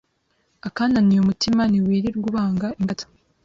akananiye umutima ntiwirirwa ubanga ingata